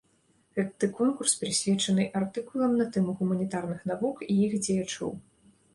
Гэты конкурс прысвечаны артыкулам на тэму гуманітарных навук і іх дзеячоў.